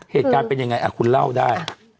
เหตุการณ์เป็นยังไงคุณเล่าได้